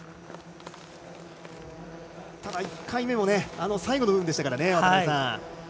ただ、１回目も最後の部分でしたからね。